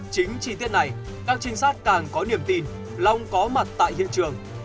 chính chi tiết này các trinh sát càng có niềm tin long có mặt tại hiện trường